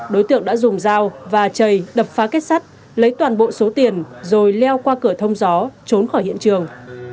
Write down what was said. đối tượng đã dùng dao và chầy đập phá kết sắt lấy toàn bộ số tiền rồi leo qua cửa thông gió trốn khỏi hiện trường